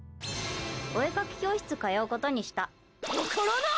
お絵かき教室通うことにした。